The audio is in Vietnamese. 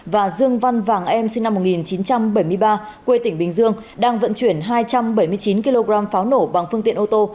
và dương văn vàng em sinh năm một nghìn chín trăm bảy mươi ba quê tỉnh bình dương đang vận chuyển hai trăm bảy mươi chín kg pháo nổ bằng phương tiện ô tô